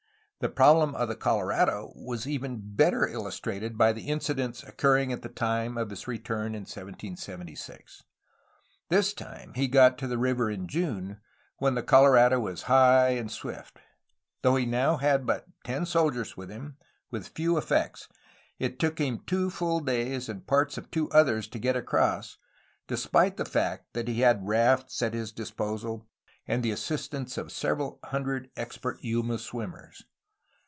The problem of the Colorado was even better illustrated by the incidents occurring at the time of his return in 1776. This time he got to the river in June, when the Colorado is high and swift. Though he now had but ten soldiers with him, with few effects, it took him two full days and parts of two others to get across, despite the fact that he had rafts at his 318 A HISTORY OF CALIFORNIA disposal and the assistance of several hundred expert Yuma swimmers.